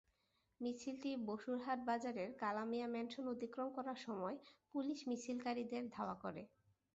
মিছিলটি বসুরহাট বাজারের কালামিয়া ম্যানশন অতিক্রম করার সময় পুলিশ মিছিলকারীদের ধাওয়া করে।